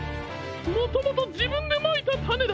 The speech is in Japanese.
もともとじぶんでまいたたねだ。